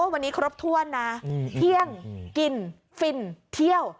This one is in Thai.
วันนี้ครบถ้วนนะเที่ยงกินฟินเที่ยว